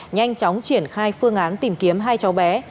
nhanh chóng triển khai phương án tìm kiếm hai cháu bé